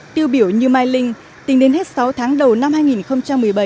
tiêu biểu như mylink tính đến hết sáu tháng đầu năm hai nghìn một mươi bảy